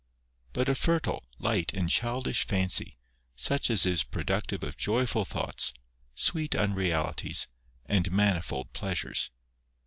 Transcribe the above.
But a fertile, light, and childish fancy, such as is pro ductive of joyful thoughts, sweet unrealities, and manifold pleasures.